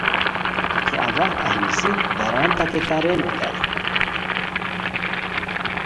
تھے اوا اہی نیسی داران تتے تارئیم ریتائے